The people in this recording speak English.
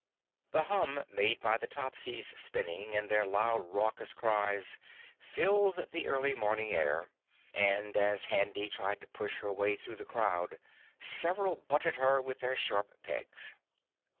The hum made by the Topsies' spinning and their loud raucous cries filled the early morning air, and as Handy tried to push her way through the crowd, several butted her with their sharp pegs.